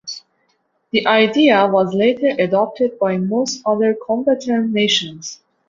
The idea was later adopted by most other combatant nations.